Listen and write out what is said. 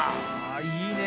いいね。